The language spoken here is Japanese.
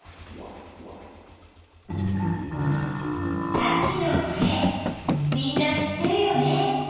さっきのこれみんな知ってるよね。